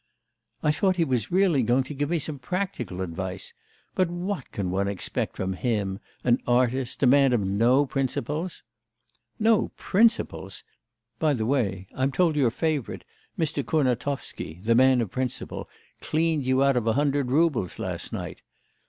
'I thought he was really going to give me some practical advice. But what can one expect from him! An artist, a man of no principles ' 'No principles! By the way, I'm told your favourite Mr. Kurnatovsky, the man of principle, cleaned you out of a hundred roubles last night.